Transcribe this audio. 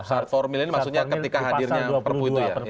syarat formil ini maksudnya ketika hadirnya perpu itu ya